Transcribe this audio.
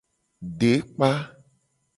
Dekpa.